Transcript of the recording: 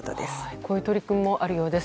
こういう取り組みもあるようです。